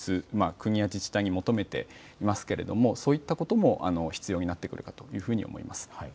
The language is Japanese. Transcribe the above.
国や自治体に求めていますけれどもそういったことも必要になってくるかというふうに思います。